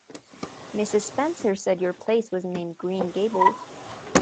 Mrs. Spencer said your place was named Green Gables.